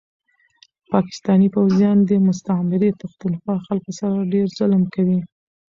پاکستاني پوځيان دي مستعمري پښتونخوا خلکو سره ډير ظلم کوي